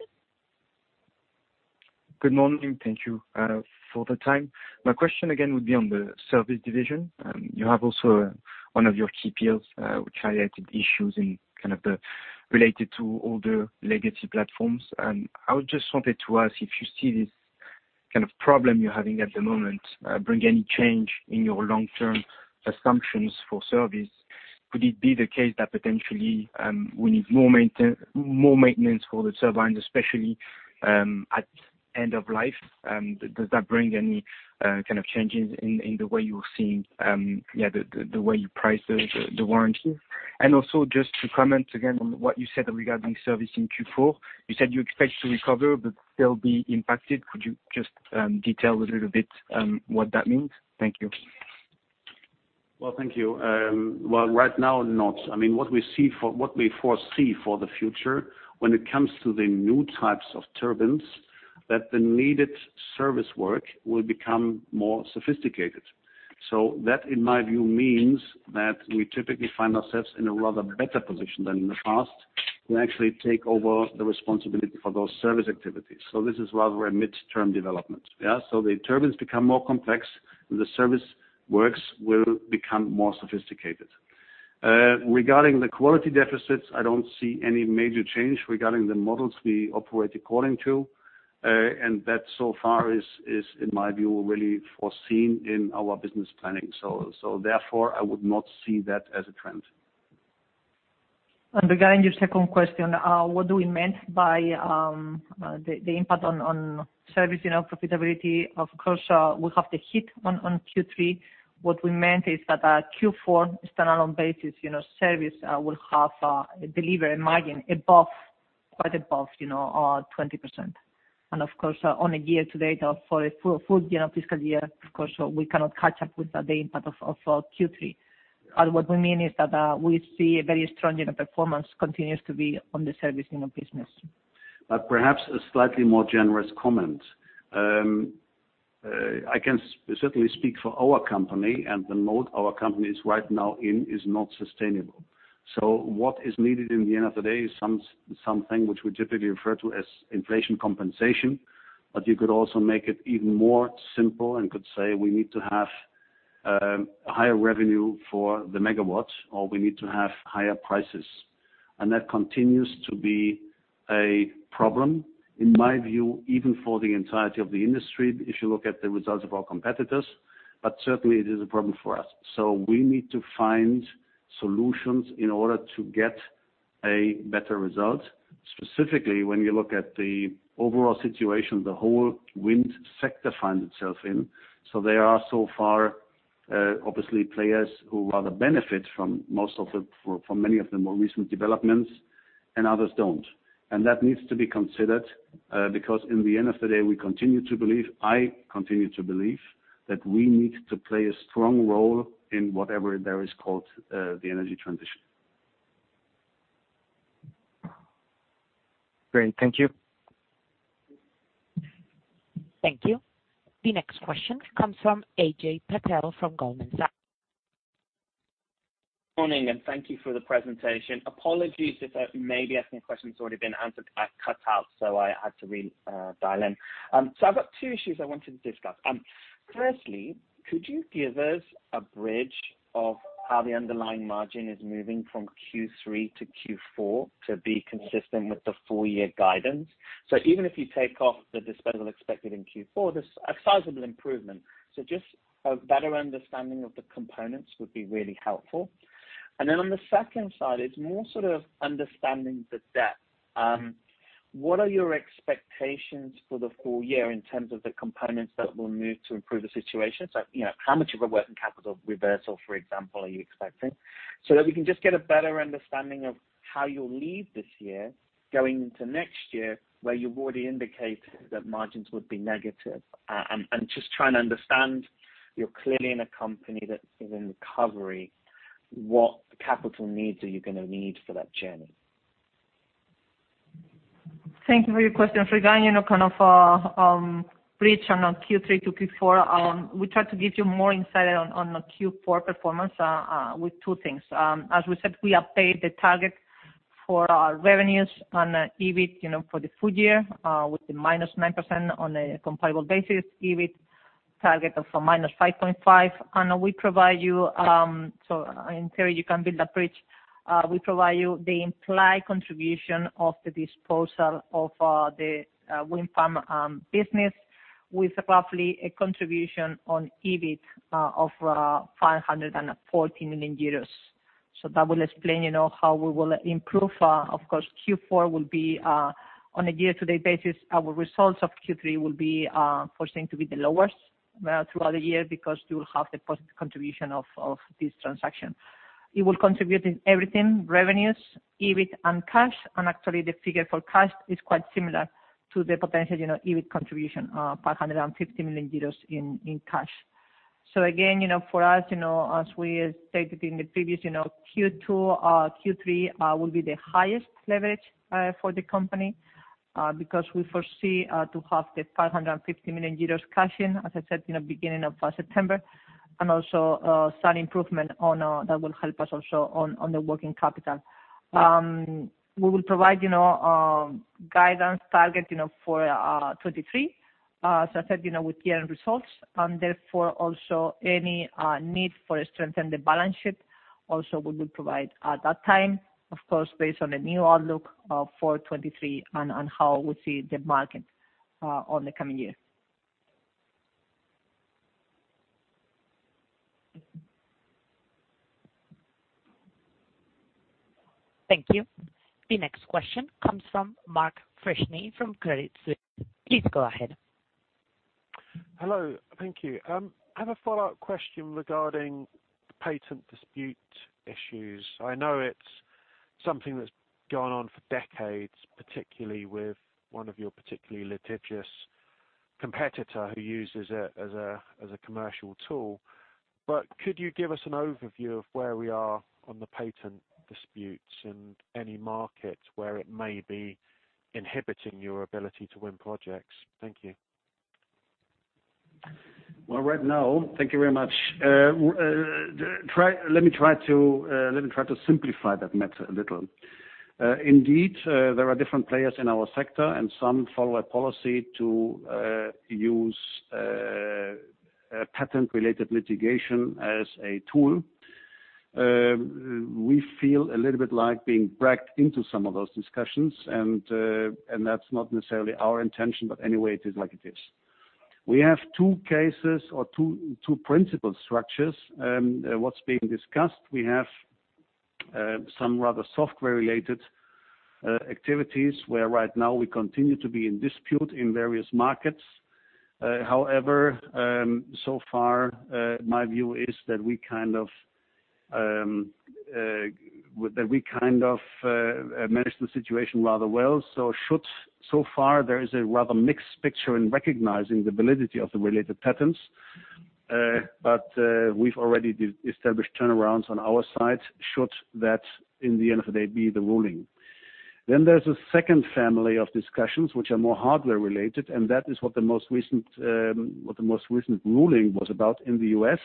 Good morning. Thank you for the time. My question again would be on the service division. You have also one of your key deals, which highlighted issues kind of related to older legacy platforms. I just wanted to ask if you see this kind of problem you're having at the moment bring any change in your long-term assumptions for service. Could it be the case that potentially we need more maintenance for the turbines, especially at end of life? Does that bring any kind of changes in the way you're seeing the way you price the warranty? Also just to comment again on what you said regarding service in Q4. You said you expect to recover but still be impacted. Could you just detail a little bit what that means? Thank you. Well, thank you. Right now, not. I mean, what we foresee for the future when it comes to the new types of turbines, that the needed service work will become more sophisticated. That, in my view, means that we typically find ourselves in a rather better position than in the past to actually take over the responsibility for those service activities. This is rather a midterm development, yeah. The turbines become more complex, and the service works will become more sophisticated. Regarding the quality deficits, I don't see any major change regarding the models we operate according to. That so far is in my view, really foreseen in our business planning. Therefore, I would not see that as a trend. Regarding your second question, what do we mean by the impact on service, you know, profitability? Of course, we have the hit on Q3. What we mean is that, Q4 standalone basis, you know, service will have delivery margin above, quite above, you know, 20%. Of course, on a year-to-date or for a full year of fiscal year, of course, we cannot catch up with the impact of Q3. What we mean is that, we see a very strong unit performance continues to be on the servicing of business. Perhaps a slightly more generous comment. I can certainly speak for our company, and the mood our company is in right now is not sustainable. What is needed at the end of the day is something which we typically refer to as inflation compensation. You could also make it even more simple and could say we need to have a higher revenue for the megawatts, or we need to have higher prices. That continues to be a problem, in my view, even for the entirety of the industry, if you look at the results of our competitors, but certainly it is a problem for us. We need to find solutions in order to get a better result. Specifically, when you look at the overall situation, the whole wind sector finds itself in. There are so far, obviously players who rather benefit from many of the more recent developments, and others don't. That needs to be considered, because in the end of the day, we continue to believe that we need to play a strong role in whatever it's called, the energy transition. Great. Thank you. Thank you. The next question comes from Ajay Patel from Goldman Sachs. Morning, thank you for the presentation. Apologies if I may be asking a question that's already been answered. I cut out, so I had to dial in. I've got two issues I wanted to discuss. Firstly, could you give us a bridge of how the underlying margin is moving from Q3 to Q4 to be consistent with the full year guidance? Even if you take off the disposal expected in Q4, there's a sizable improvement. Just a better understanding of the components would be really helpful. Then on the second side, it's more sort of understanding the depth. What are your expectations for the full year in terms of the components that will move to improve the situation? You know, how much of a working capital reversal, for example, are you expecting? That we can just get a better understanding of how you'll lead this year going into next year, where you've already indicated that margins would be negative. Just trying to understand, you're clearly in a company that is in recovery, what capital needs are you gonna need for that journey? Thank you for your question. Regarding, you know, kind of, bridge on Q3 to Q4, we try to give you more insight on the Q4 performance with two things. As we said, we have hit the target for our revenues and the EBIT, you know, for the full year, with the -9% on a comparable basis, EBIT target of -5.5%. We provide you, so in theory, you can build that bridge. We provide you the implied contribution of the disposal of the wind farm business with roughly a contribution to EBIT of 540 million euros. That will explain, you know, how we will improve. Of course, Q4 will be on a year-to-date basis, our results of Q3 will be foreseen to be the lowest throughout the year because you will have the positive contribution of this transaction. It will contribute in everything, revenues, EBIT, and cash. Actually the figure for cash is quite similar to the potential, you know, EBIT contribution, 550 million euros in cash. So again, you know, for us, you know, as we stated in the previous, you know, Q2, Q3 will be the highest leverage for the company because we foresee to have the 550 million euros cash in, as I said, in the beginning of September, and also some improvement on that will help us also on the working capital. We will provide, you know, guidance target, you know, for 2023, as I said, you know, with year-end results, and therefore also any need for strengthen the balance sheet also we will provide at that time, of course, based on the new outlook of for 2023 and on how we see the market, on the coming year. Thank you. The next question comes from Mark Freshney from Credit Suisse. Please go ahead. Hello. Thank you. I have a follow-up question regarding the patent dispute issues. I know it's something that's gone on for decades, particularly with one of your particularly litigious competitor who uses it as a commercial tool. Could you give us an overview of where we are on the patent disputes in any market where it may be inhibiting your ability to win projects? Thank you. Well, right now, thank you very much. Let me try to simplify that matter a little. Indeed, there are different players in our sector, and some follow a policy to use a patent-related litigation as a tool. We feel a little bit like being dragged into some of those discussions and that's not necessarily our intention, but anyway, it is like it is. We have two cases or two principal structures what's being discussed. We have some rather software-related activities where right now we continue to be in dispute in various markets. However, so far, my view is that we kind of manage the situation rather well. So far there is a rather mixed picture in recognizing the validity of the related patents, but we've already established turnarounds on our side should that, in the end of the day, be the ruling. There's a second family of discussions which are more hardware-related, and that is what the most recent ruling was about in the U.S.,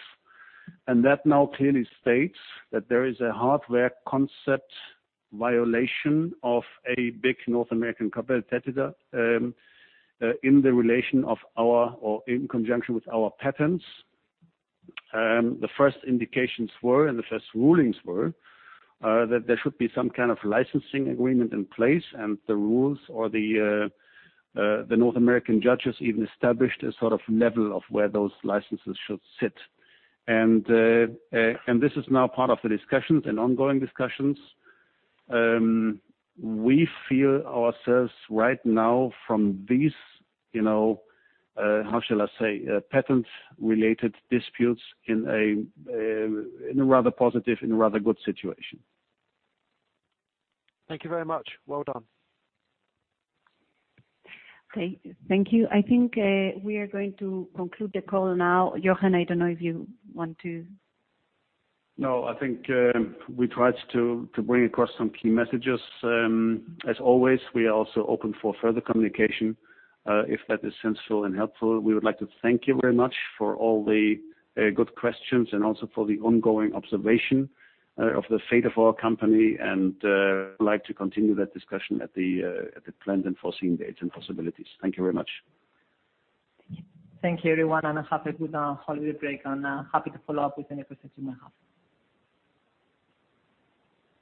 and that now clearly states that there is a hardware concept violation of a big North American competitor in relation to our or in conjunction with our patents. The first indications were, and the first rulings were, that there should be some kind of licensing agreement in place, and the North American judges even established a sort of level of where those licenses should sit. This is now part of the discussions and ongoing discussions. We find ourselves right now free from these, you know, how shall I say, patent-related disputes in a rather positive and rather good situation. Thank you very much. Well done. Okay. Thank you. I think, we are going to conclude the call now. Jochen, I don't know if you want to. No, I think, we tried to bring across some key messages. As always, we are also open for further communication, if that is sensible and helpful. We would like to thank you very much for all the good questions and also for the ongoing observation of the fate of our company and like to continue that discussion at the planned and foreseen dates and possibilities. Thank you very much. Thank you everyone, and have a good holiday break and happy to follow up with any questions you may have.